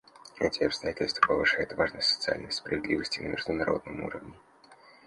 Эти обстоятельства повышают важность социальной справедливости на международном уровне.